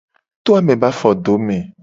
To ame be afodome.